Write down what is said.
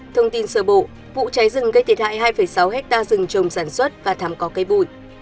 thông tin sở bộ vụ cháy rừng gây thiệt hại hai sáu hectare rừng trồng sản xuất và thám có cây bụi